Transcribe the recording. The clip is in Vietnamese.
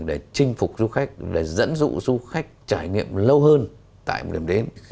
để chinh phục du khách để dẫn dụ du khách trải nghiệm lâu hơn tại một điểm đến